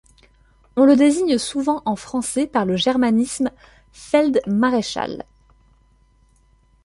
On le désigne souvent en français par le germanisme feld-maréchal.